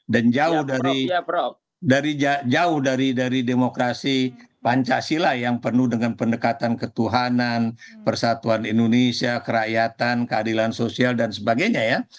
dan jauh dari demokrasi pancasila yang penuh dengan pendekatan ketuhanan persatuan indonesia kerakyatan keadilan sosial dan sebagainya ya